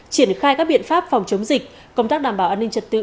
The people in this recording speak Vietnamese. triển khai các biện pháp phòng chống dịch công tác đảm bảo an ninh trật tự